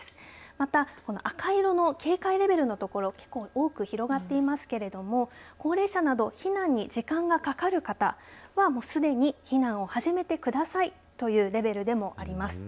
また、この赤色の警戒レベルの所結構多く広がっていますけれども高齢者など避難に時間がかかる方はもうすでに避難を始めてくださいというレベルでもあります。